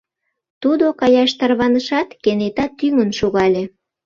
Тудо каяш тарванышат, кенета тӱҥын шогале.